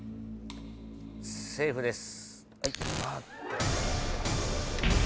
セーフです。